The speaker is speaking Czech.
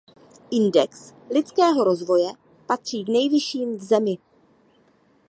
Index lidského rozvoje patří k nejvyšším v zemi.